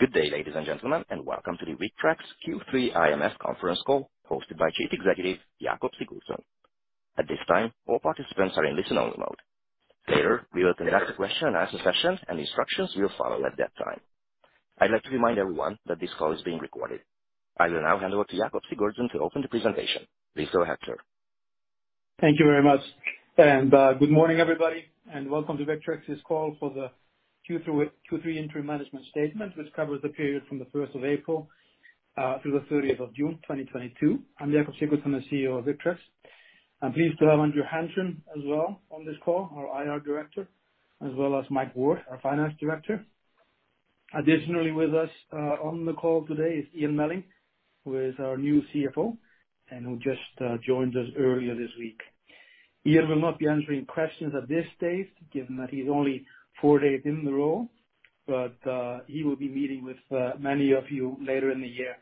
Good day, ladies and gentlemen, and welcome to the Victrex Q3 IMS conference call hosted by Chief Executive Jakob Sigurdsson. At this time, all participants are in listen-only mode. Later, we will conduct a question and answer session and the instructions will follow at that time. I'd like to remind everyone that this call is being recorded. I will now hand over to Jakob Sigurdsson to open the presentation. Please go ahead, sir. Thank you very much. Good morning, everybody, and welcome to Victrex's call for the Q3 Interim Management Statement, which covers the period from the 1st of April through the 13th of June 2022. I'm Jakob Sigurdsson, the CEO of Victrex. I'm pleased to have Andrew Hanson as well on this call, our IR Director, as well as Mike Ward, our Finance Director. Additionally, with us on the call today is Ian Melling, who is our new CFO and who just joined us earlier this week. Ian will not be answering questions at this stage, given that he's only four days in the role, but he will be meeting with many of you later in the year,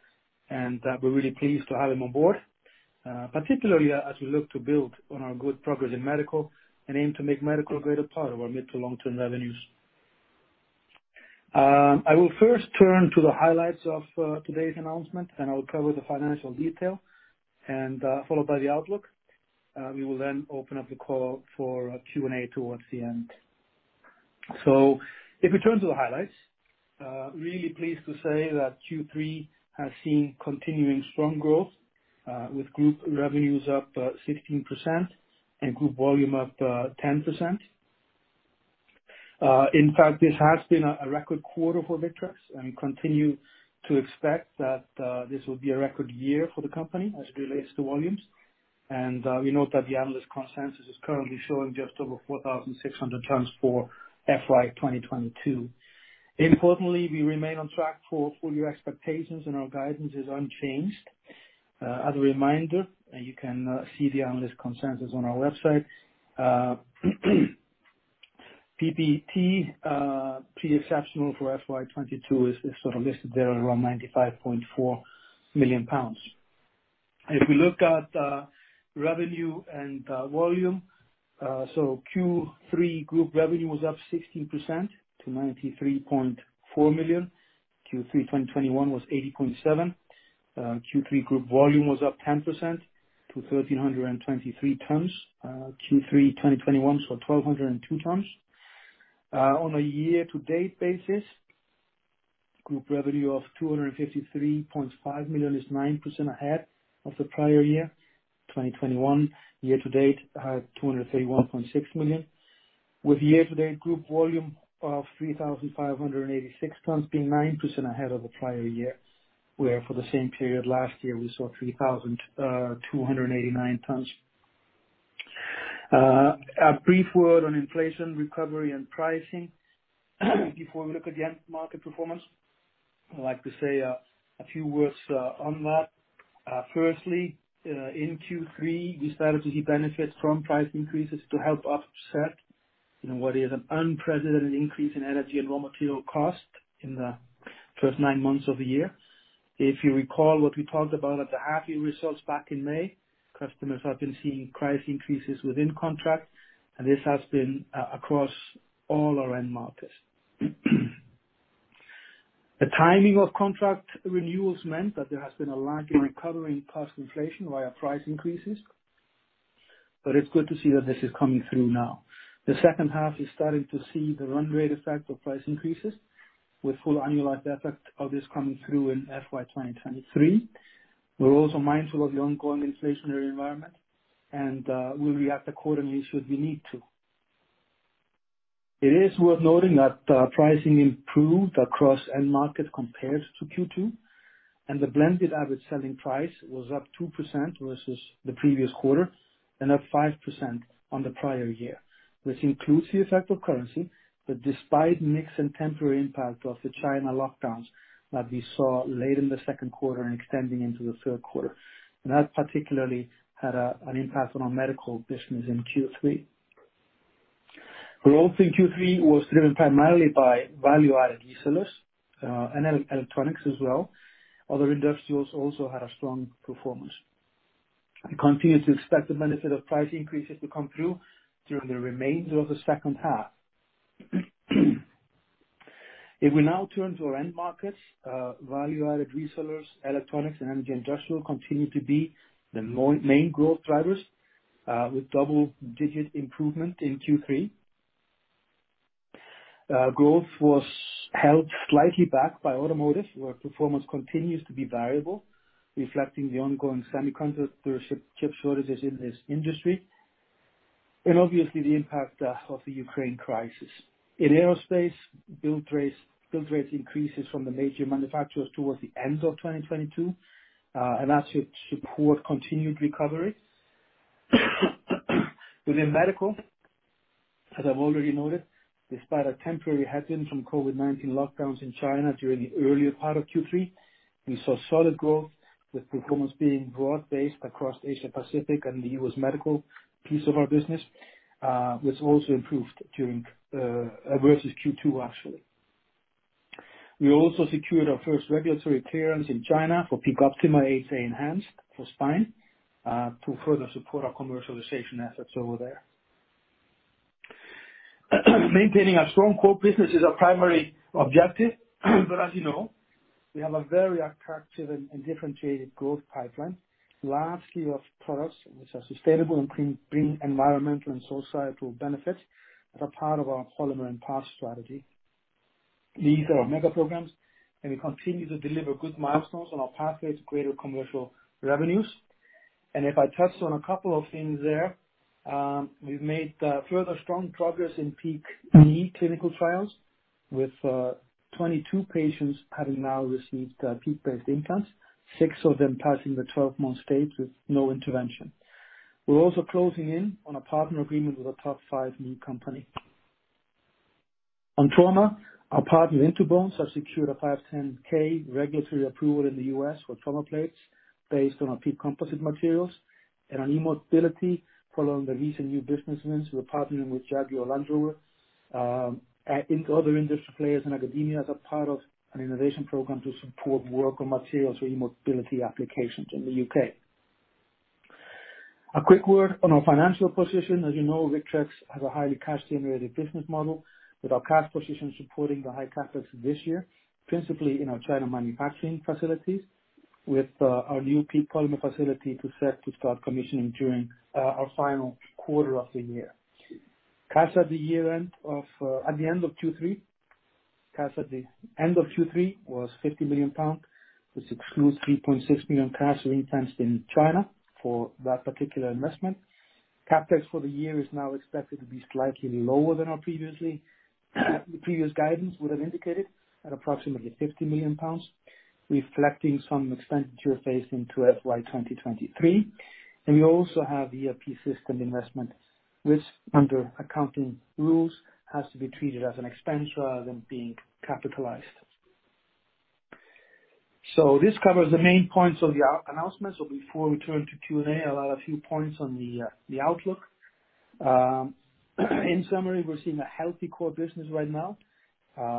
and we're really pleased to have him on board, particularly as we look to build on our good progress in medical and aim to make medical a greater part of our mid to long-term revenues. I will first turn to the highlights of today's announcement, then I will cover the financial detail and followed by the outlook. We will then open up the call for Q&A towards the end. If we turn to the highlights, really pleased to say that Q3 has seen continuing strong growth, with group revenues up 16% and group volume up 10%. In fact, this has been a record quarter for Victrex, and we continue to expect that this will be a record year for the company as it relates to volumes. We note that the analyst consensus is currently showing just over 4,600 tons for FY 2022. Importantly, we remain on track for full year expectations and our guidance is unchanged. As a reminder, and you can see the analyst consensus on our website, PBT pre-exceptional for FY 2022 is sort of listed there around 95.4 million pounds. If we look at revenue and volume. Q3 group revenue was up 16% to 93.4 million. Q3 2021 was 80.7 million. Q3 group volume was up 10% to 1,323 tons. Q3 2021 saw 1,202 tons. On a year-to-date basis, group revenue of 253.5 million is 9% ahead of the prior year. 2021 year-to-date had 231.6 million, with year-to-date group volume of 3,586 tons being 9% ahead of the prior year, where for the same period last year, we saw 3,289 tons. A brief word on inflation, recovery and pricing before we look at the end market performance. I'd like to say a few words on that. Firstly, in Q3, we started to see benefits from price increases to help offset, you know, what is an unprecedented increase in energy and raw material costs in the first nine months of the year. If you recall what we talked about at the half year results back in May, customers have been seeing price increases within contract and this has been across all our end markets. The timing of contract renewals meant that there has been a lag in recovering past inflation via price increases, but it's good to see that this is coming through now. The second half is starting to see the run rate effect of price increases with full annualized effect of this coming through in FY 2023. We're also mindful of the ongoing inflationary environment and we'll react accordingly should we need to. It is worth noting that pricing improved across end market compared to Q2, and the blended average selling price was up 2% versus the previous quarter and up 5% on the prior year. This includes the effect of currency, but despite mix and temporary impact of the China lockdowns that we saw late in the second quarter and extending into the third quarter. That particularly had an impact on our medical business in Q3. Growth in Q3 was driven primarily by value-added resellers and electronics as well. Other industrials also had a strong performance. We continue to expect the benefit of price increases to come through during the remainder of the second half. If we now turn to our end markets, value-added resellers, electronics and energy industrial continue to be the main growth drivers with double digit improvement in Q3. Growth was held slightly back by automotive, where performance continues to be variable, reflecting the ongoing semiconductor chip shortages in this industry and obviously the impact of the Ukraine crisis. In aerospace, build rates increases from the major manufacturers towards the end of 2022, and that should support continued recovery. Within medical, as I've already noted, despite a temporary headwind from COVID-19 lockdowns in China during the earlier part of Q3, we saw solid growth, with performance being broad-based across Asia-Pacific and the U.S. medical piece of our business, which also improved versus Q2 actually. We also secured our first regulatory clearance in China for PEEK-OPTIMA HA Enhanced for spine, to further support our commercialization efforts over there. Maintaining our strong core business is our primary objective, but as you know, we have a very attractive and differentiated growth pipeline. Large scale of products which are sustainable and bring environmental and societal benefits that are part of our Polymer & Parts strategy. These are our mega programs, and we continue to deliver good milestones on our pathway to greater commercial revenues. If I touch on a couple of things there, we've made further strong progress in PEEK Knee clinical trials with 22 patients having now received PEEK-based implants, six of them passing the 12-month stage with no intervention. We're also closing in on a partner agreement with a top five knee company. On trauma, our partner, Innotere, has secured a 510(k) regulatory approval in the U.S. for trauma plates based on our PEEK composite materials. On e-mobility, following the recent new business wins, we're partnering with Jaguar Land Rover and other industry players in academia as a part of an innovation program to support work on materials for e-mobility applications in the U.K. A quick word on our financial position. As you know, Victrex has a highly cash-generated business model with our cash position supporting the high CapEx this year, principally in our China manufacturing facilities with our new PEEK polymer facility set to start commissioning during our final quarter of the year. Cash at the year end of at the end of Q3 was 50 million pounds, which excludes 3.6 million cash we fenced in China for that particular investment. CapEx for the year is now expected to be slightly lower than our previous guidance would have indicated, at approximately 50 million pounds, reflecting some expenditure phased into FY 2023. We also have ERP system investment, which under accounting rules has to be treated as an expense rather than being capitalized. This covers the main points of the announcement. Before we turn to Q&A, I'll add a few points on the outlook. In summary, we're seeing a healthy core business right now,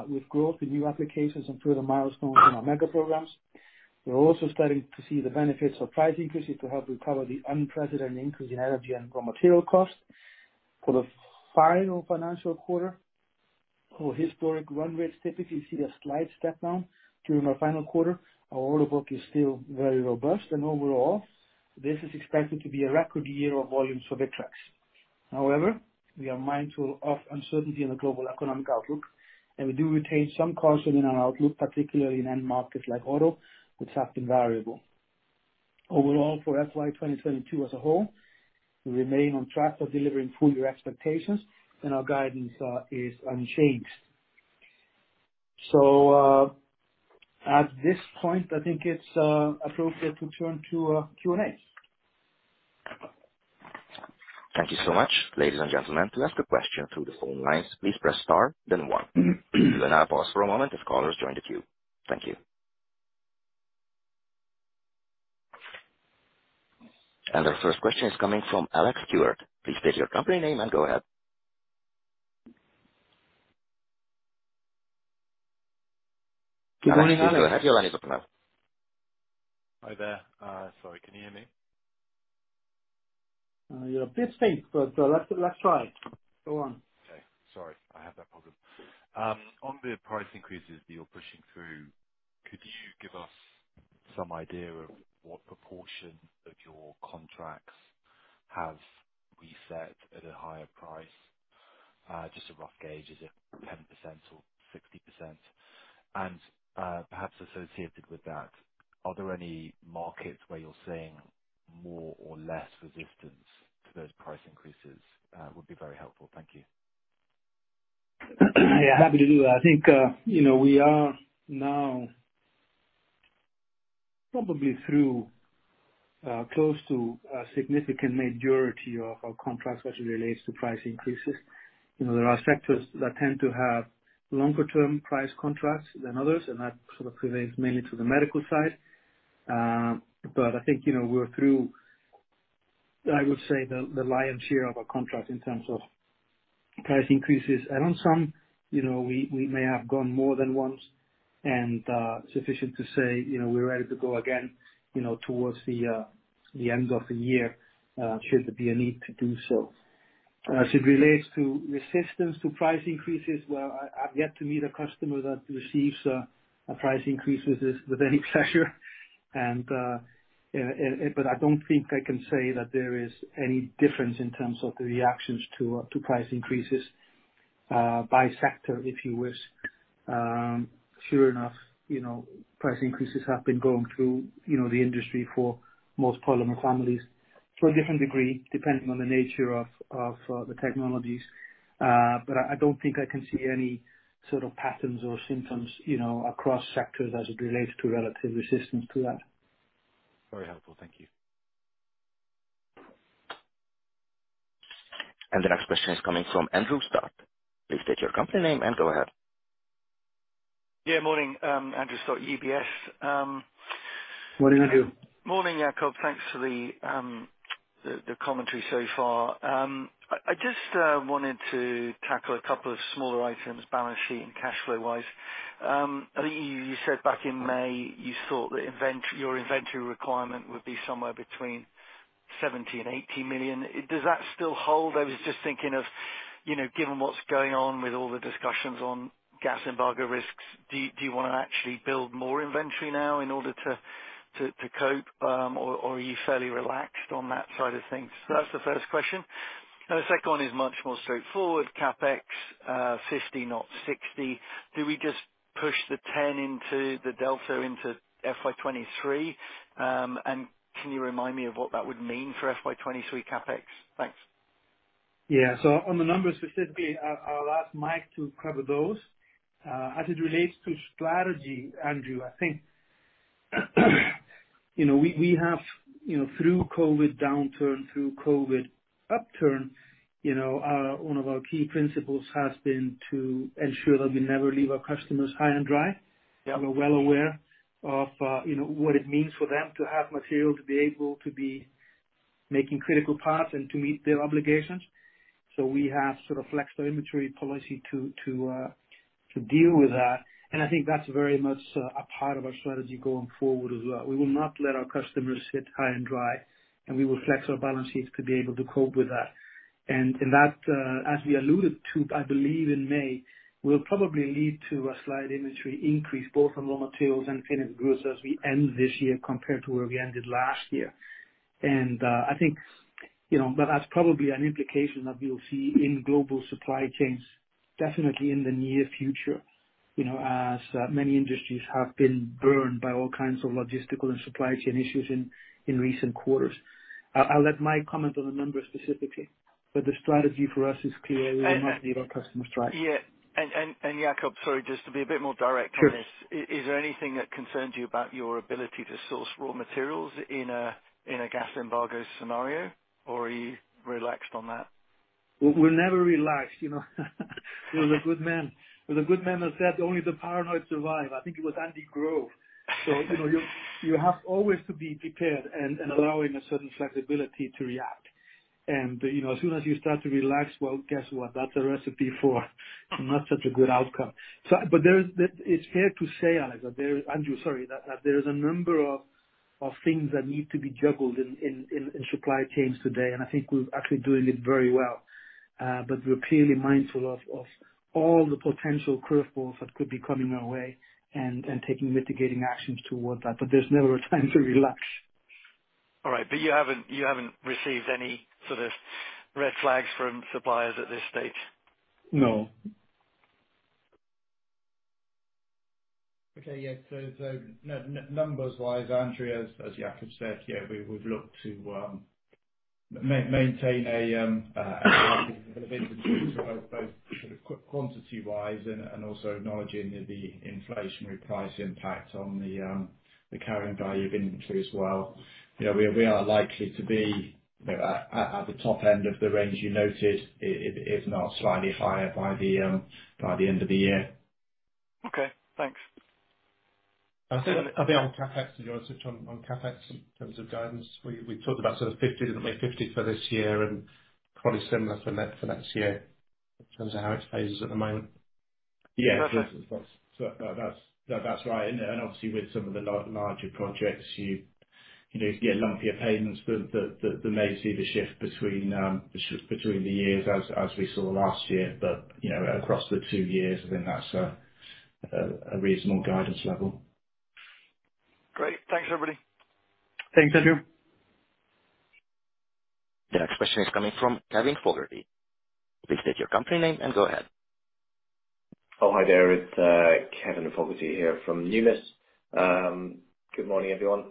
with growth in new applications and further milestones in our mega programs. We're also starting to see the benefits of price increases to help recover the unprecedented increase in energy and raw material costs. For the final financial quarter, our historic run rates typically see a slight step down during our final quarter. Our order book is still very robust and overall this is expected to be a record year of volumes for Victrex. However, we are mindful of uncertainty in the global economic outlook, and we do retain some caution in our outlook, particularly in end markets like auto, which have been variable. Overall, for FY 2022 as a whole, we remain on track of delivering full year expectations and our guidance is unchanged. At this point, I think it's appropriate to turn to Q&A. Thank you so much. Ladies and gentlemen, to ask a question through the phone lines, please press star then one. We will now pause for a moment as callers join the queue. Thank you. Our first question is coming from Alex Stewart. Please state your company name, and go ahead. Good morning, Alex. Alex Stewart, your line is open now. Hi there. Sorry, can you hear me? Yeah, bit faint, but let's try. Go on. Okay. Sorry, I have that problem. On the price increases that you're pushing through, could you give us some idea of what proportion of your contracts have reset at a higher price? Just a rough gauge. Is it 10% or 60%? Perhaps associated with that, are there any markets where you're seeing more or less resistance to those price increases? Would be very helpful. Thank you. Yeah, happy to do that. I think, you know, we are now probably through close to a significant majority of our contracts as it relates to price increases. You know, there are sectors that tend to have longer term price contracts than others, and that sort of relates mainly to the medical side. But I think, you know, we're through, I would say the lion's share of our contracts in terms of price increases. On some, you know, we may have gone more than once. Sufficient to say, you know, we're ready to go again, you know, towards the end of the year should there be a need to do so. As it relates to resistance to price increases, well, I've yet to meet a customer that receives a price increase with this, with any pleasure. I don't think I can say that there is any difference in terms of the reactions to price increases by sector, if you wish. Sure enough, you know, price increases have been going through, you know, the industry for most polymer families to a different degree, depending on the nature of the technologies. I don't think I can see any sort of patterns or symptoms, you know, across sectors as it relates to relative resistance to that. Very helpful. Thank you. The next question is coming from Andrew Stott. Please state your company name and go ahead. Yeah. Morning, Andrew Stott, UBS. Morning, Andrew. Morning, Jakob. Thanks for the commentary so far. I just wanted to tackle a couple of smaller items balance sheet and cash flow wise. I think you said back in May you thought that your inventory requirement would be somewhere between 70 million and 80 million. Does that still hold? I was just thinking of, you know, given what's going on with all the discussions on gas embargo risks, do you wanna actually build more inventory now in order to cope, or are you fairly relaxed on that side of things? That's the first question. Now the second one is much more straightforward. CapEx, 50 million not 60 million. Do we just push the 10 into the delta into FY 2023? And can you remind me of what that would mean for FY 2023 CapEx? Thanks. Yeah. On the numbers specifically, I'll ask Mike to cover those. As it relates to strategy, Andrew, I think you know, we have, you know, through COVID downturn, through COVID upturn, you know, one of our key principles has been to ensure that we never leave our customers high and dry. Yeah. We're well aware of, you know, what it means for them to have material to be able to be making critical parts and to meet their obligations. We have sort of flexed our inventory policy to deal with that. I think that's very much a part of our strategy going forward as well. We will not let our customers sit high and dry, and we will flex our balance sheets to be able to cope with that. In that, as we alluded to, I believe in May, will probably lead to a slight inventory increase both on raw materials and finished goods as we end this year compared to where we ended last year. I think, you know, but that's probably an implication that we'll see in global supply chains, definitely in the near future, you know, as many industries have been burned by all kinds of logistical and supply chain issues in recent quarters. I'll let Mike comment on the numbers specifically, but the strategy for us is clear. We will not leave our customers dry. Yeah. Jakob, sorry, just to be a bit more direct on this. Sure. Is there anything that concerns you about your ability to source raw materials in a gas embargo scenario, or are you relaxed on that? We're never relaxed, you know. It was a good man that said, "Only the paranoid survive." I think it was Andy Grove. You know, you have always to be prepared and allowing a certain flexibility to react. You know, as soon as you start to relax, well, guess what? That's a recipe for not such a good outcome. It's fair to say, Alex, Andrew, sorry, that there is a number of things that need to be juggled in supply chains today, and I think we're actually doing it very well. We're clearly mindful of all the potential curve balls that could be coming our way and taking mitigating actions towards that. There's never a time to relax. All right. You haven't received any sort of red flags from suppliers at this stage? No. Numbers-wise, Andrew, as Jakob said, yeah, we've looked to maintain a inventory, both sort of quantity-wise and also acknowledging the inflationary price impact on the current value of inventory as well. You know, we are likely to be, you know, at the top end of the range you noted, if not slightly higher by the end of the year. Okay, thanks. I think. A bit on CapEx. Do you wanna touch on CapEx in terms of guidance? We talked about sort of 50 million, isn't it 50 million for this year and probably similar for next year in terms of how it phases at the moment. Yeah. Perfect. That's right. Obviously with some of the larger projects, you know, get lumpier payments, but they may see the shift between the years as we saw last year. You know, across the two years, that's a reasonable guidance level. Great. Thanks, everybody. Thanks, Andrew. The next question is coming from Kevin Fogarty. Please state your company name and go ahead. Oh, hi there. It's Kevin Fogarty here from Numis. Good morning, everyone.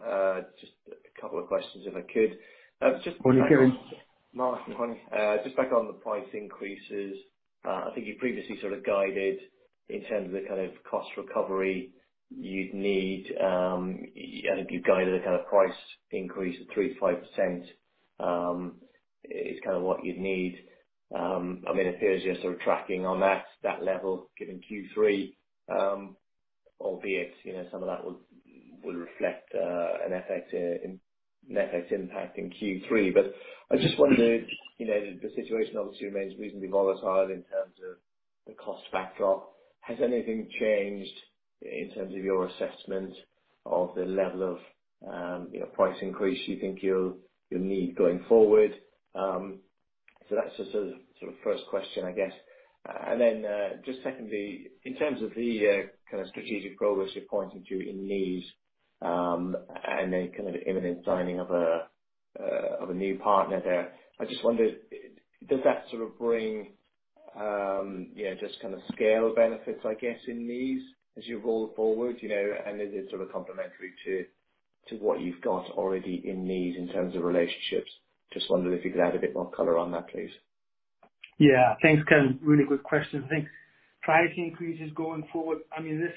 Just a couple of questions if I could. Morning, Kevin. Mark, good morning. Just back on the price increases. I think you previously sort of guided in terms of the kind of cost recovery you'd need, and if you guided a kind of price increase of 3%-5%, is kind of what you'd need. I mean, it appears you're sort of tracking on that level given Q3, albeit, you know, some of that will reflect an FX impact in Q3. But I just wondered, you know, the situation obviously remains reasonably volatile in terms of the cost backdrop. Has anything changed in terms of your assessment of the level of, you know, price increase you think you'll need going forward? So that's just a sort of first question, I guess. Just secondly, in terms of the kind of strategic progress you're pointing to in these, and the kind of imminent signing of a new partner there. I just wondered, does that sort of bring, you know, just kind of scale benefits, I guess, in these as you roll forward, you know, and is it sort of complementary to what you've got already in these in terms of relationships? Just wondering if you could add a bit more color on that, please. Yeah. Thanks, Kevin. Really good question. I think price increases going forward, I mean, this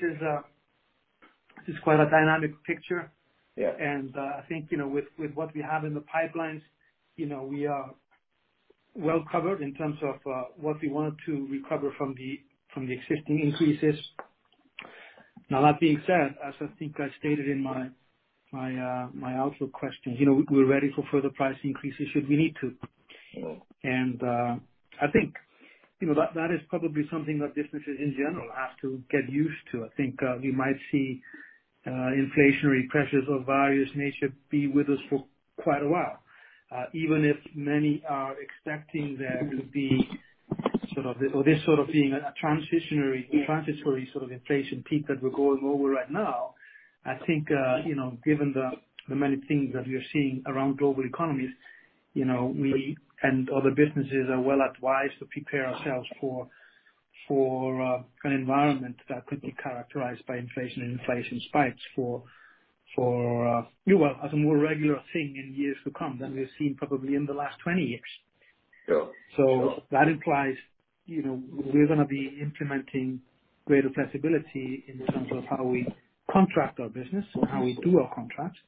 is quite a dynamic picture. Yeah. I think, you know, with what we have in the pipelines, you know, we are well covered in terms of what we wanted to recover from the existing increases. Now, that being said, as I think I stated in my outlook questions, you know, we're ready for further price increases should we need to. Sure. I think you know, that is probably something that businesses in general have to get used to. I think we might see inflationary pressures of various nature be with us for quite a while, even if many are expecting there to be sort of or this sort of being a transitory sort of inflation peak that we're going over right now. I think you know, given the many things that we are seeing around global economies, you know, we and other businesses are well advised to prepare ourselves for an environment that could be characterized by inflation and inflation spikes for you know, as a more regular thing in years to come than we've seen probably in the last 20 years. Sure. That implies, you know, we're gonna be implementing greater flexibility in terms of how we contract our business or how we do our contracts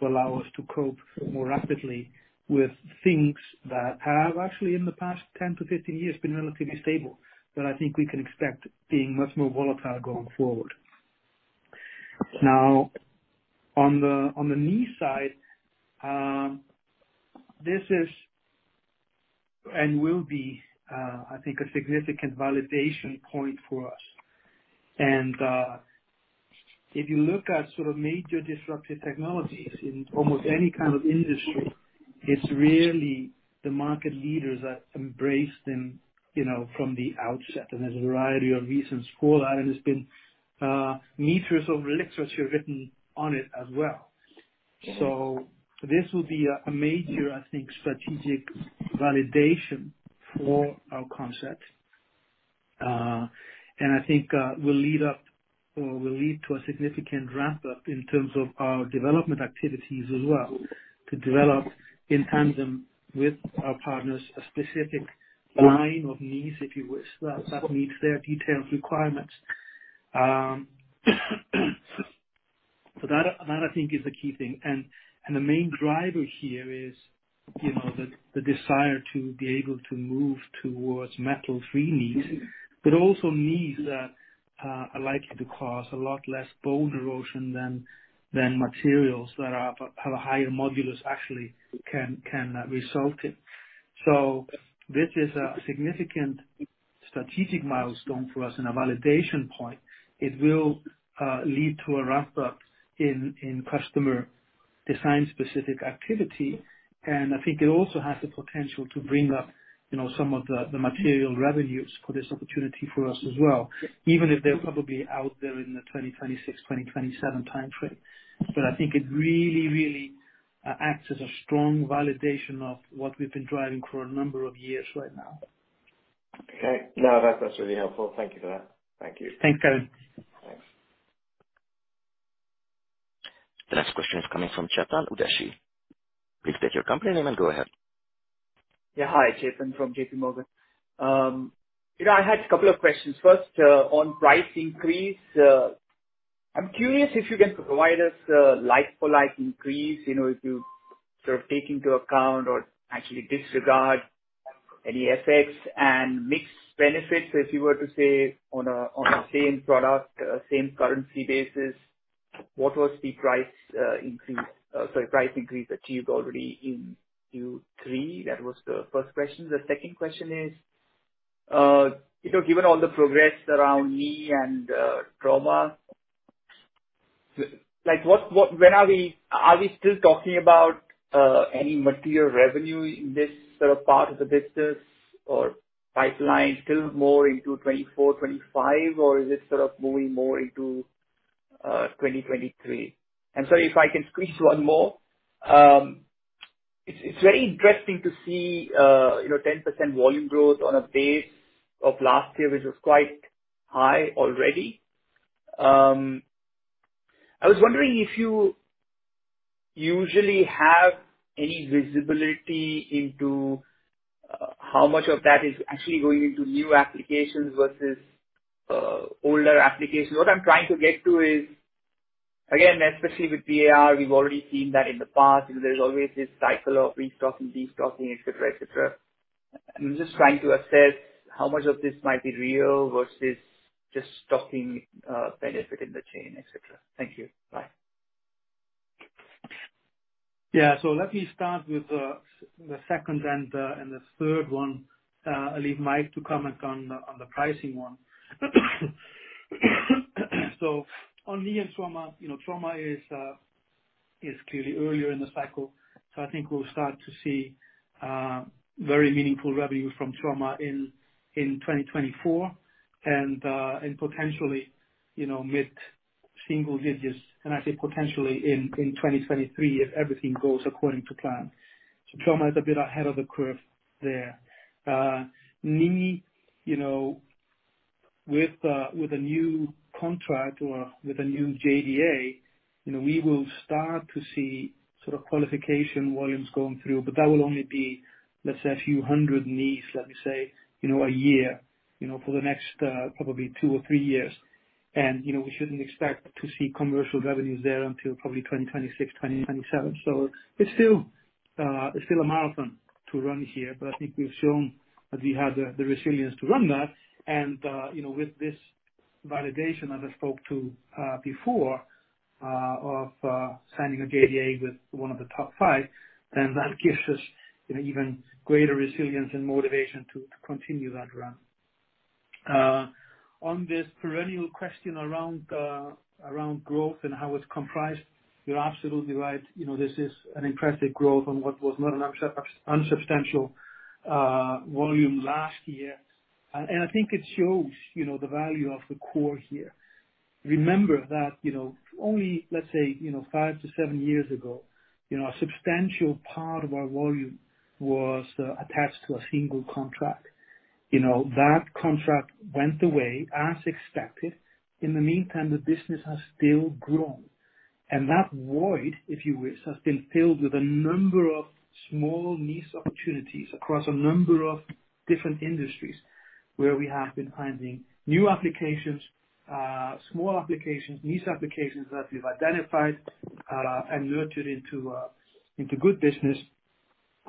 to allow us to cope more rapidly with things that have actually in the past 10-15 years been relatively stable, but I think we can expect being much more volatile going forward. On the knee side, this is and will be, I think, a significant validation point for us. If you look at sort of major disruptive technologies in almost any kind of industry, it's really the market leaders that embrace them, you know, from the outset. There's a variety of recent school item has been meters of literature written on it as well. This will be a major, I think, strategic validation for our concept. I think will lead to a significant ramp up in terms of our development activities as well, to develop in tandem with our partners, a specific line of knees, if you wish, that meets their detailed requirements. That I think is the key thing. The main driver here is, you know, the desire to be able to move towards metal-free knees, but also knees that are likely to cause a lot less bone erosion than materials that are have a higher modulus actually can result in. This is a significant strategic milestone for us and a validation point. It will lead to a ramp up in customer design-specific activity. I think it also has the potential to bring up, you know, some of the material revenues for this opportunity for us as well, even if they're probably out there in the 2026, 2027 time frame. I think it really acts as a strong validation of what we've been driving for a number of years right now. Okay. No, that's really helpful. Thank you for that. Thank you. Thanks, Kevin. Thanks. The next question is coming from Chetan Udeshi. Please state your company name and go ahead. Yeah, hi, Chetan from JPMorgan. You know, I had a couple of questions. First, on price increase, I'm curious if you can provide us, like for like increase, you know, if you sort of take into account or actually disregard any effects and mix benefits, if you were to say on a, on a same product, same currency basis, what was the price increase achieved already in Q3? That was the first question. The second question is, you know, given all the progress around knee and trauma, like what, when are we still talking about any material revenue in this sort of part of the business or pipeline still more into 2024, 2025? Or is it sort of moving more into 2023? And sorry if I can squeeze one more. It's very interesting to see, you know, 10% volume growth on a base of last year, which was quite high already. I was wondering if you usually have any visibility into how much of that is actually going into new applications versus older applications. What I'm trying to get to is, again, especially with VAR, we've already seen that in the past. You know, there's always this cycle of restocking, destocking, et cetera, et cetera. I'm just trying to assess how much of this might be real versus just stocking benefit in the chain, et cetera. Thank you. Bye. Yeah. Let me start with the second and the third one. I'll leave Mike to comment on the pricing one. On knee and trauma, you know, trauma is clearly earlier in the cycle. I think we'll start to see very meaningful revenue from trauma in 2024 and potentially, you know, mid-single digits, and I say potentially in 2023 if everything goes according to plan. Trauma is a bit ahead of the curve there. Knee, you know, with a new contract or with a new JDA, you know, we will start to see sort of qualification volumes going through, but that will only be, let's say a few hundred knees, let me say, you know, a year, you know, for the next probably two or three years. You know, we shouldn't expect to see commercial revenues there until probably 2026-2027. It's still a marathon to run here, but I think we've shown that we have the resilience to run that. You know, with this validation, as I spoke to before, of signing a JDA with one of the top five, then that gives us, you know, even greater resilience and motivation to continue that run. On this perennial question around growth and how it's comprised, you're absolutely right. You know, this is an impressive growth on what was not an unsubstantial volume last year. I think it shows, you know, the value of the core here. Remember that, you know, only, let's say, you know, five to seven years ago, you know, a substantial part of our volume was attached to a single contract. You know, that contract went away as expected. In the meantime, the business has still grown. That void, if you wish, has been filled with a number of small niche opportunities across a number of different industries, where we have been finding new applications, small applications, niche applications that we've identified, and nurtured into good business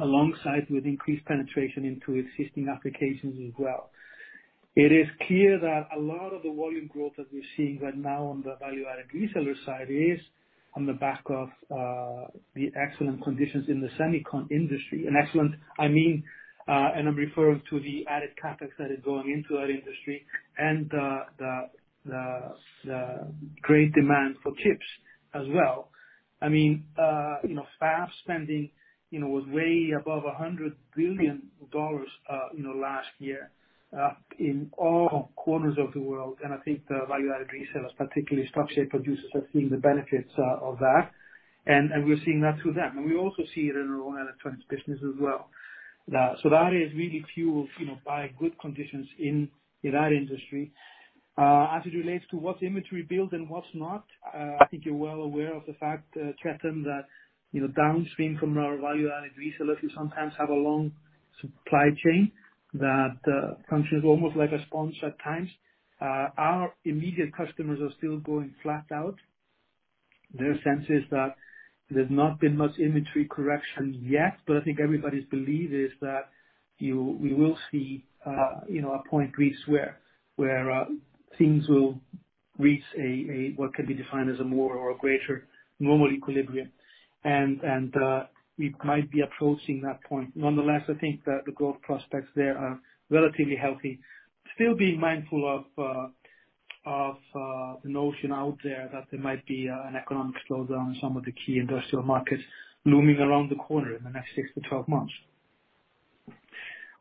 alongside with increased penetration into existing applications as well. It is clear that a lot of the volume growth that we're seeing right now on the value-added reseller side is on the back of the excellent conditions in the semicon industry. Excellent, I mean, I'm referring to the added CapEx that is going into that industry and the great demand for chips as well. I mean, you know, fab spending, you know, was way above $100 billion, you know, last year, in all corners of the world. I think the value-added resellers, particularly structure producers, are seeing the benefits of that. We're seeing that through them. We also see it in our own electronics business as well. So that is really fueled, you know, by good conditions in that industry. As it relates to what inventory build and what's not, I think you're well aware of the fact, Chetan, that, you know, downstream from our value-added resellers, you sometimes have a long supply chain that functions almost like a sponge at times. Our immediate customers are still going flat out. Their sense is that there's not been much inventory correction yet, but I think everybody's belief is that we will see, you know, a point reached where things will reach a what can be defined as a more or a greater normal equilibrium. We might be approaching that point. Nonetheless, I think that the growth prospects there are relatively healthy. Still being mindful of the notion out there that there might be an economic slowdown in some of the key industrial markets looming around the corner in the next six-12 months.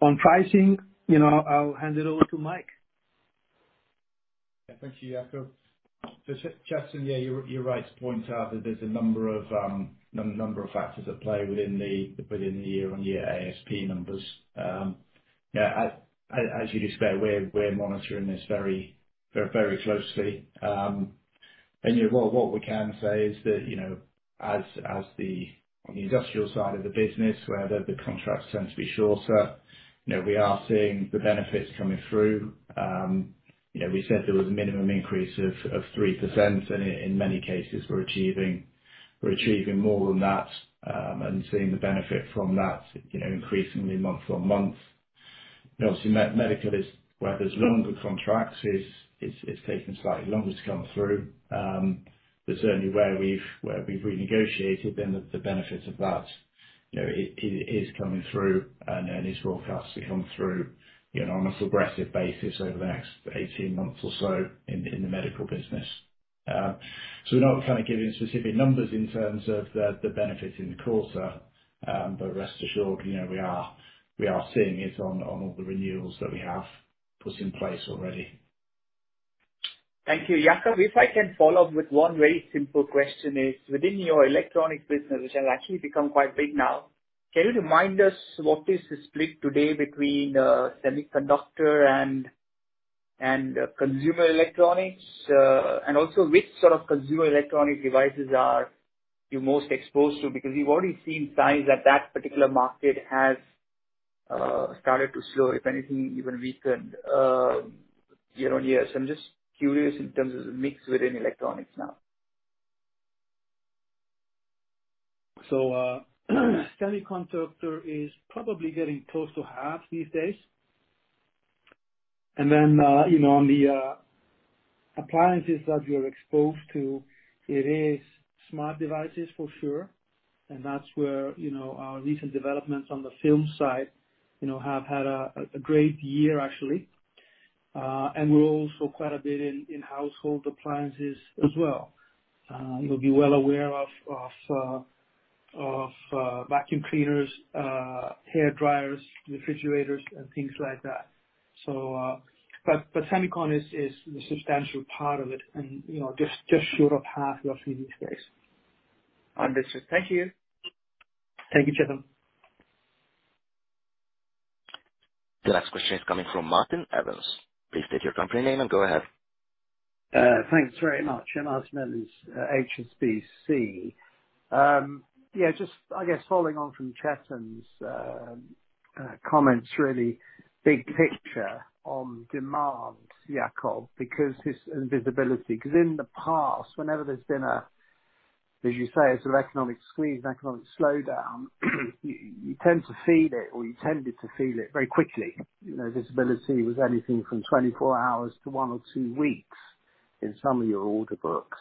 On pricing, you know, I'll hand it over to Mike. Thank you, Jakob. Chetan, yeah, you're right to point out that there's a number of factors at play within the year-on-year ASP numbers. As you just said, we're monitoring this very closely. You know, what we can say is that, you know, as on the industrial side of the business, where the contracts tend to be shorter, you know, we are seeing the benefits coming through. You know, we said there was a minimum increase of 3%, and in many cases we're achieving more than that, and seeing the benefit from that, you know, increasingly month-on-month. You know, obviously, medical is where there's longer contracts, it's taking slightly longer to come through. Certainly where we've renegotiated, then the benefits of that, you know, it is coming through and is forecast to come through, you know, on a progressive basis over the next 18 months or so in the medical business. We're not kind of giving specific numbers in terms of the benefit in the quarter. Rest assured, you know, we are seeing it on all the renewals that we have put in place already. Thank you. Jakob, if I can follow up with one very simple question, is within your electronic business, which has actually become quite big now, can you remind us what is the split today between semiconductor and consumer electronics? And also which sort of consumer electronic devices are you most exposed to? Because we've already seen signs that that particular market has started to slow, if anything, even weakened year-on-year. I'm just curious in terms of the mix within electronics now. Semiconductor is probably getting close to half these days. You know, on the appliances that we are exposed to, it is smart devices for sure. That's where, you know, our recent developments on the film side, you know, have had a great year actually. We're also quite a bit in household appliances as well. You'll be well aware of vacuum cleaners, hair dryers, refrigerators and things like that. Semicon is a substantial part of it and, you know, just short of half roughly these days. Understood. Thank you. Thank you, Chetan. The next question is coming from Martin Evans. Please state your company name and go ahead. Thanks very much. I'm Martin Evans, HSBC. Yeah, just I guess following on from Chetan's comments really, big picture on demand, Jakob. Because his, and visibility. Because in the past, whenever there's been a, as you say, sort of economic squeeze and economic slowdown, you tend to feel it, or you tended to feel it very quickly. You know, visibility was anything from 24 hours to one or two weeks in some of your order books.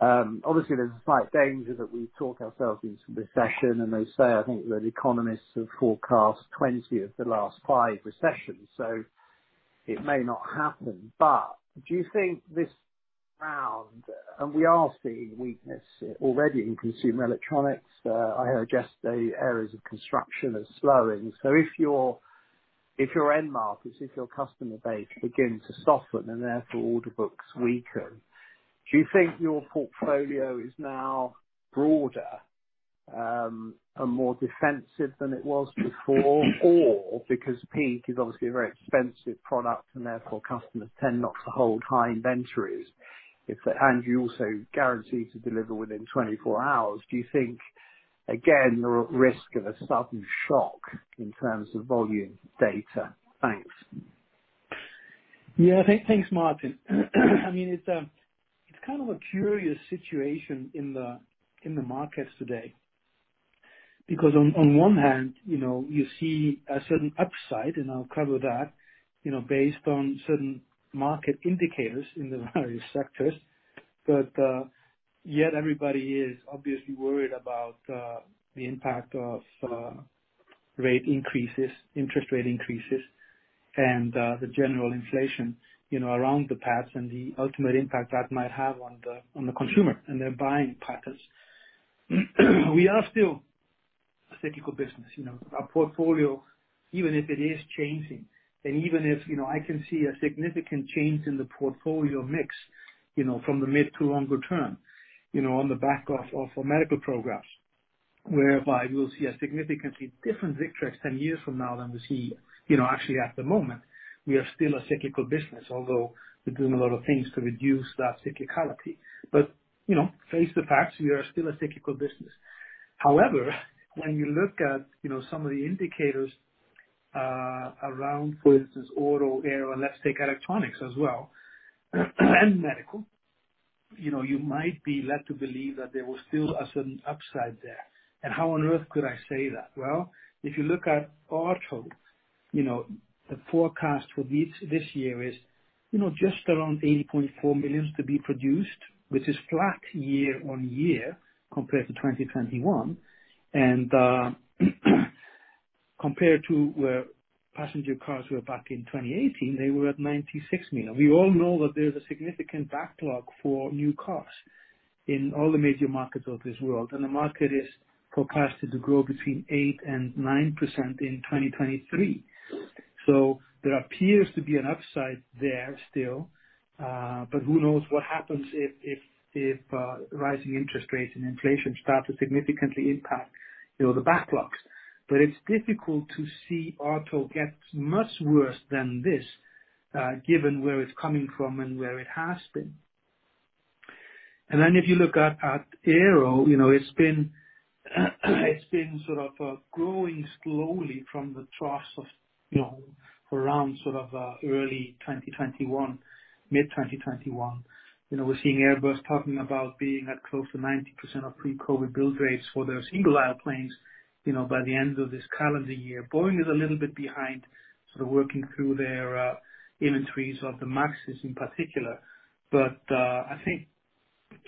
Obviously, there's a slight danger that we talk ourselves into recession. They say, I think, that economists have forecast 20 of the last five recessions, so it may not happen. Do you think this round? We are seeing weakness already in consumer electronics. I heard yesterday areas of construction are slowing. If your end markets, if your customer base begins to soften and therefore order books weaken, do you think your portfolio is now broader and more defensive than it was before? Or because PEEK is obviously a very expensive product and therefore customers tend not to hold high inventories, you also guarantee to deliver within 24 hours, do you think, again, you're at risk of a sudden shock in terms of volume data? Thanks. Thanks, Martin. I mean, it's kind of a curious situation in the markets today. Because on one hand, you know, you see a certain upside, and I'll cover that, you know, based on certain market indicators in the various sectors. Yet everybody is obviously worried about the impact of rate increases, interest rate increases and the general inflation, you know, around the world and the ultimate impact that might have on the consumer and their buying patterns. We are still a cyclical business. You know, our portfolio, even if it is changing, and even if, you know, I can see a significant change in the portfolio mix, you know, from the mid to longer term, you know, on the back of our medical programs, whereby we'll see a significantly different Victrex ten years from now than we see, you know, actually at the moment. We are still a cyclical business, although we're doing a lot of things to reduce that cyclicality. But, you know, face the facts, we are still a cyclical business. However, when you look at, you know, some of the indicators, around, for instance, auto, aero, and let's take electronics as well, and medical, you know, you might be led to believe that there was still a certain upside there. How on earth could I say that? Well, if you look at auto, you know, the forecast for this year is, you know, just around 80.4 million to be produced, which is flat year on year compared to 2021. Compared to where passenger cars were back in 2018, they were at 96 million. We all know that there's a significant backlog for new cars in all the major markets of this world. The market is forecasted to grow between 8%-9% in 2023. There appears to be an upside there still. Who knows what happens if rising interest rates and inflation start to significantly impact, you know, the backlogs. It's difficult to see auto get much worse than this, given where it's coming from and where it has been. If you look at aero, you know, it's been sort of growing slowly from the troughs of, you know, around sort of early 2021, mid-2021. You know, we're seeing Airbus talking about being at close to 90% of pre-COVID build rates for their single-aisle planes, you know, by the end of this calendar year. Boeing is a little bit behind, sort of working through their inventories of the MAXs in particular. I think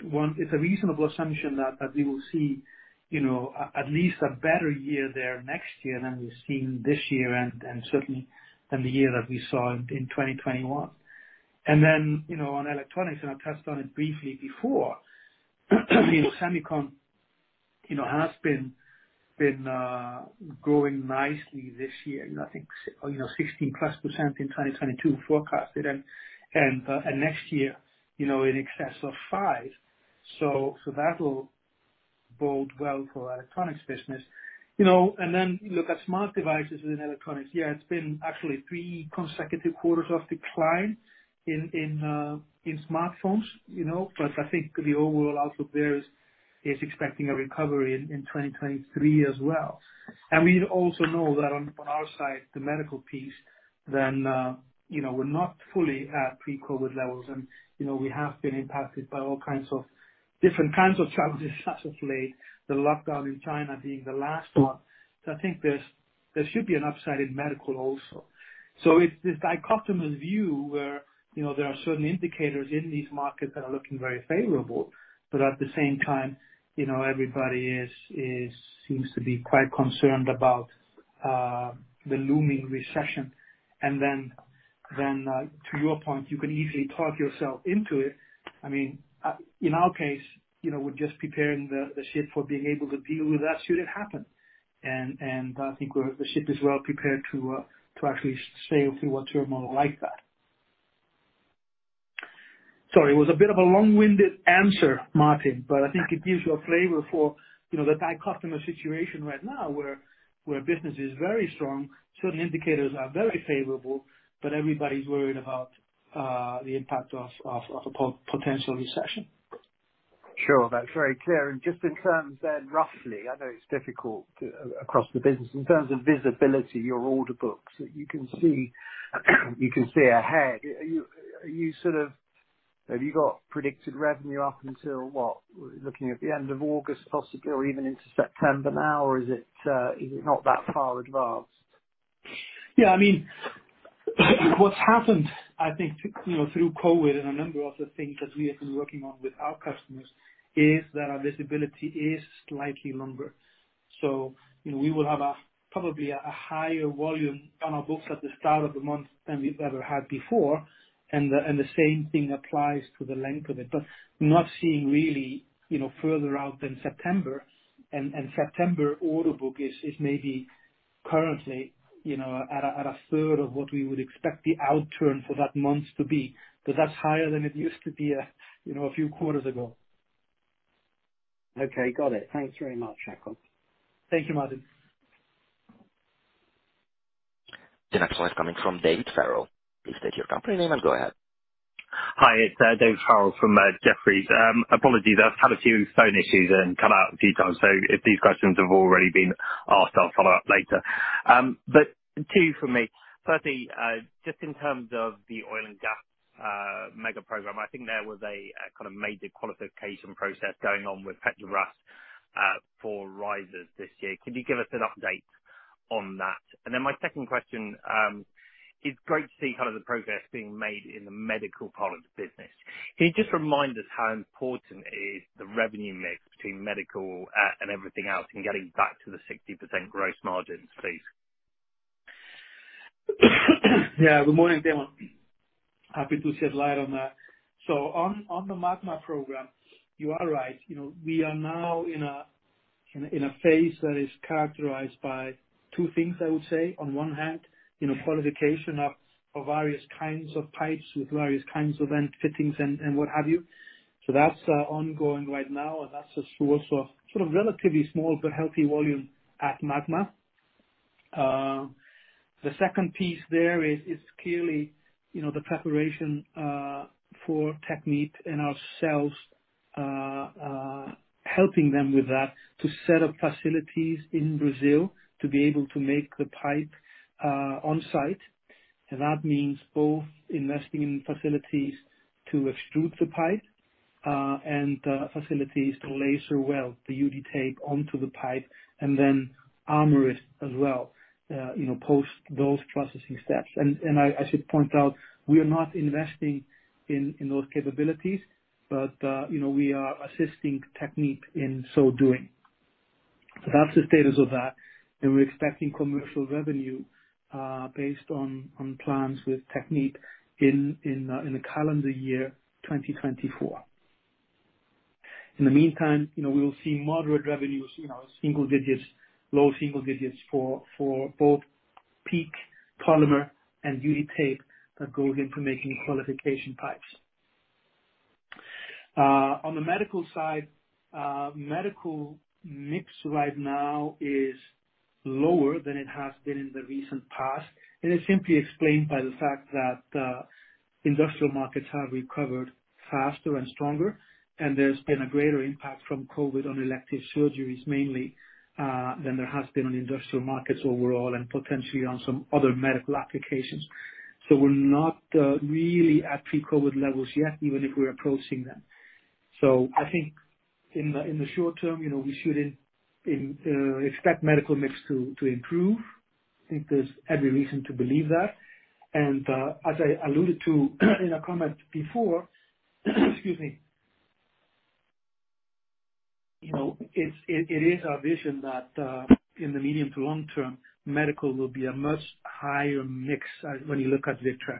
it's a reasonable assumption that we will see, you know, at least a better year there next year than we've seen this year and certainly than the year that we saw in 2021. On electronics, you know, and I touched on it briefly before, I mean, semicon, you know, has been growing nicely this year. I think you know, 16%+ in 2022 forecasted and next year, you know, in excess of 5%. That will bode well for our electronics business. You know, then look at smart devices within electronics. Yeah, it's been actually three consecutive quarters of decline in smartphones, you know. I think the overall outlook there is expecting a recovery in 2023 as well. We also know that on our side, the medical piece, you know, we're not fully at pre-COVID levels. You know, we have been impacted by all kinds of different kinds of challenges as of late, the lockdown in China being the last one. I think there should be an upside in medical also. It's this dichotomous view where, you know, there are certain indicators in these markets that are looking very favorable. At the same time, you know, everybody seems to be quite concerned about the looming recession. To your point, you can easily talk yourself into it. I mean, in our case, you know, we're just preparing the ship for being able to deal with that should it happen. I think the ship is well prepared to actually sail through what you're modeling like that. Sorry, it was a bit of a long-winded answer, Martin, but I think it gives you a flavor for, you know, the dichotomous situation right now, where business is very strong, certain indicators are very favorable, but everybody's worried about the impact of a potential recession. Sure. That's very clear. Just in terms then, roughly, I know it's difficult across the business. In terms of visibility, your order books that you can see, you can see ahead, are you sort of.. Have you got predicted revenue up until, what? We're looking at the end of August, possibly or even into September now, or is it not that far advanced? Yeah, I mean, what's happened, I think, you know, through COVID and a number of the things that we have been working on with our customers is that our visibility is slightly longer. You know, we will have probably a higher volume on our books at the start of the month than we've ever had before, and the same thing applies to the length of it. Not seeing really, you know, further out than September, and September order book is maybe currently, you know, at a third of what we would expect the outturn for that month to be. That's higher than it used to be, you know, a few quarters ago. Okay. Got it. Thanks very much, Jakob. Thank you, Martin. The next one is coming from David Farrell. Please state your company name and go ahead. Hi, it's David Farrell from Jefferies. Apologies, I've had a few phone issues and come out a few times, so if these questions have already been asked, I'll follow up later. Two for me. Firstly, just in terms of the oil and gas mega program, I think there was a kind of major qualification process going on with Petrobras for risers this year. Can you give us an update on that? Then my second question, it's great to see kind of the progress being made in the medical part of the business. Can you just remind us how important is the revenue mix between medical and everything else in getting back to the 60% gross margins, please? Yeah. Good morning, David. Happy to shed light on that. On the Magma program, you are right. You know, we are now in a phase that is characterized by two things, I would say. On one hand, you know, qualification of various kinds of pipes with various kinds of end fittings and what have you. That's ongoing right now, and that's a source of sort of relatively small but healthy volume at Magma. The second piece there is clearly, you know, the preparation for Technip and ourselves helping them with that to set up facilities in Brazil to be able to make the pipe on site. That means both investing in facilities to extrude the pipe, and facilities to laser weld the UD tape onto the pipe and then armor it as well, you know, post those processing steps. I should point out, we are not investing in those capabilities, but, you know, we are assisting Technip in so doing. That's the status of that, and we're expecting commercial revenue, based on plans with Technip in the calendar year 2024. In the meantime, you know, we'll see moderate revenues, you know, single digits, low single digits for both PEEK polymer and UD tape that goes into making qualification pipes. On the medical side, medical mix right now is lower than it has been in the recent past, and it's simply explained by the fact that industrial markets have recovered faster and stronger, and there's been a greater impact from COVID on elective surgeries mainly than there has been on industrial markets overall and potentially on some other medical applications. We're not really at pre-COVID levels yet, even if we're approaching them. I think in the short term, you know, we shouldn't expect medical mix to improve. I think there's every reason to believe that. As I alluded to in a comment before, excuse me. You know, it is our vision that in the medium to long term, medical will be a much higher mix when you look at Victrex.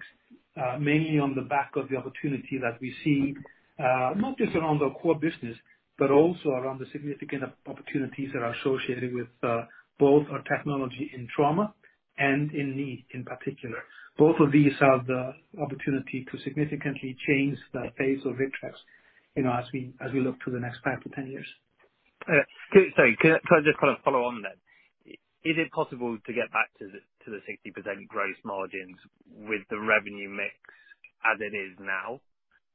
Mainly on the back of the opportunity that we see, not just around the core business, but also around the significant opportunities that are associated with both our technology in trauma and in need in particular. Both of these have the opportunity to significantly change the face of Victrex, you know, as we look to the next 5-10 years. Sorry. Can I just kind of follow on then? Is it possible to get back to the 60% gross margins with the revenue mix as it is now,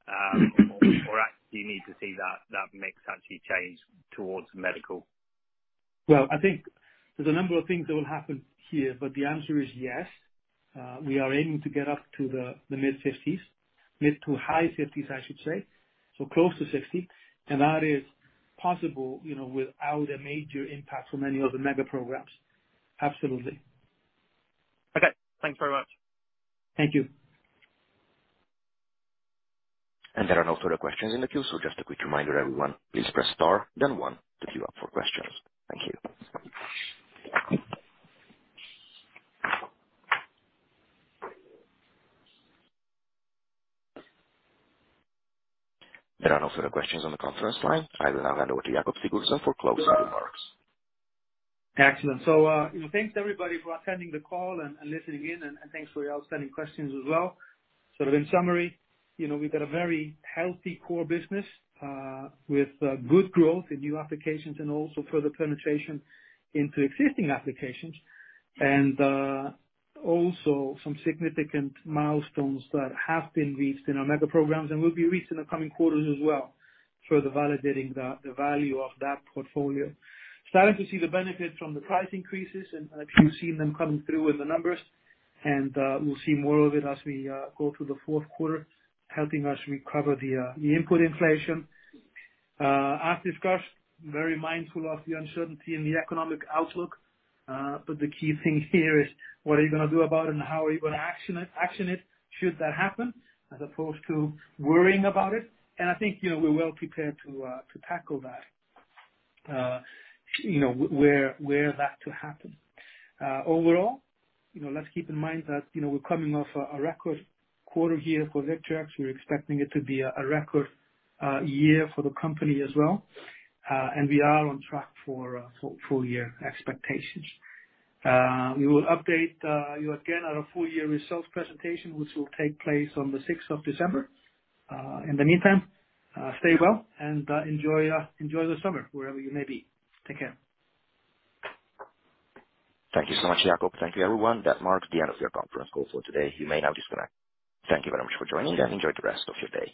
or actually you need to see that mix actually change towards medical? Well, I think there's a number of things that will happen here, but the answer is yes. We are aiming to get up to the mid-50s%. Mid- to high 50s%, I should say. Close to 60%, and that is possible, you know, without a major impact from any of the mega programs. Absolutely. Okay. Thanks very much. Thank you. There are no further questions in the queue, so just a quick reminder everyone, please press star then one to queue up for questions. Thank you. There are no further questions on the conference line. I will now hand over to Jakob Sigurdsson for closing remarks. Excellent. Thanks everybody for attending the call and listening in, and thanks for your outstanding questions as well. In summary, you know, we've got a very healthy core business, with good growth and new applications and also further penetration into existing applications. Also some significant milestones that have been reached in our mega programs and will be reached in the coming quarters as well, further validating the value of that portfolio. Starting to see the benefit from the price increases, and I'm sure you've seen them coming through in the numbers. We'll see more of it as we go through the fourth quarter, helping us recover the input inflation. As discussed, very mindful of the uncertainty in the economic outlook, but the key thing here is what are you gonna do about it and how are you gonna action it should that happen, as opposed to worrying about it. I think, you know, we're well prepared to tackle that, you know, where that to happen. Overall, you know, let's keep in mind that, you know, we're coming off a record quarter year for Victrex. We're expecting it to be a record year for the company as well. We are on track for full year expectations. We will update you again at our full year results presentation, which will take place on the 6th of December. In the meantime, stay well and enjoy the summer wherever you may be. Take care. Thank you so much, Jakob. Thank you, everyone. That marks the end of your conference call for today. You may now disconnect. Thank you very much for joining, and enjoy the rest of your day.